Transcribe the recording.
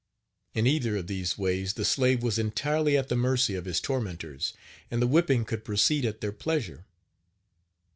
In either of these ways the slave was entirely at the mercy of his tormentors, and the whipping could proceed at their pleasure.